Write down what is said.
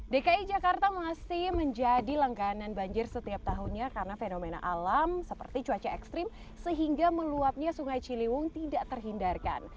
dki jakarta masih menjadi langganan banjir setiap tahunnya karena fenomena alam seperti cuaca ekstrim sehingga meluapnya sungai ciliwung tidak terhindarkan